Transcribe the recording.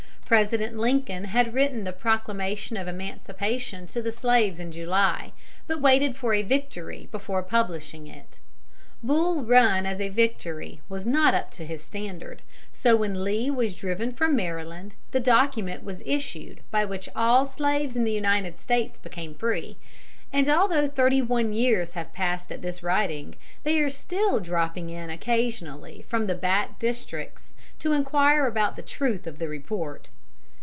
] President Lincoln had written the Proclamation of Emancipation to the slaves in July, but waited for a victory before publishing it. Bull Run as a victory was not up to his standard; so when Lee was driven from Maryland the document was issued by which all slaves in the United States became free; and, although thirty one years have passed at this writing, they are still dropping in occasionally from the back districts to inquire about the truth of the report.